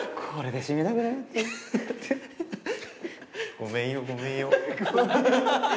ごめんよごめんよ。